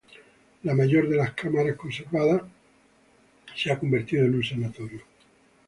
La mayor de las cámaras conservadas ha sido convertida en un sanatorio.